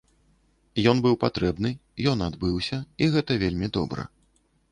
Ён быў патрэбны, ён адбыўся, і гэта вельмі добра.